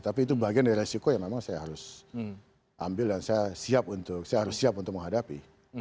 tapi itu bagian dari resiko yang memang saya harus ambil dan saya siap untuk saya harus siap untuk menghadapi